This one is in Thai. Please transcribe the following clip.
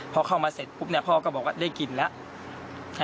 พอเข้ามาเสร็จปุ๊บพ่อก็บอกว่าได้กินแล้ว